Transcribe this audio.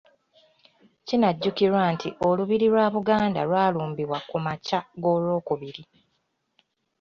Kinajjukirwa nti Olubiri lwa Buganda lwalumbibwa ku makya g’Olwokubiri.